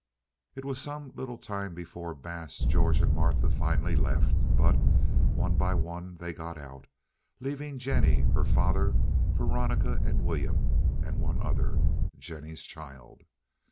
It was some little time before Bass, George and Martha finally left, but, one by one, they got out, leaving Jennie, her father, Veronica, and William, and one other—Jennie's child.